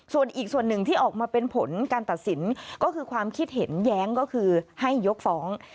ส่วนอีกส่วนหนึ่งที่ออกมาเป็นผลการตัดสินก็คือความคิดเห็นแย้งก็คือให้ยกฟ้อง